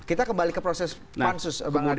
kita kembali ke proses pansus bang arya